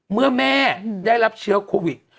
เมื่อแม่ได้รับเชื้อโควิด